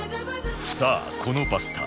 さあこのパスタ